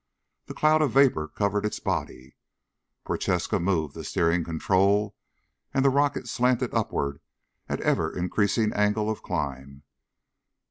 The cloud of vapor covered its body. Prochaska moved the steering control and the rocket slanted upward at ever increasing angle of climb.